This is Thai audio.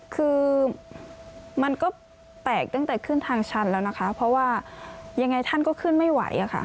คือมันก็แปลกตั้งแต่ขึ้นทางชั้นแล้วนะคะเพราะว่ายังไงท่านก็ขึ้นไม่ไหวอะค่ะ